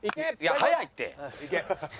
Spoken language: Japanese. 早いって。